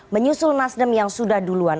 menyusul nasdem yang sudah duluan